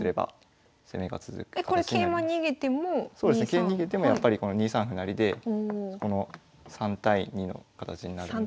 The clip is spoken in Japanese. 桂逃げてもやっぱりこの２三歩成でこの３対２の形になるので。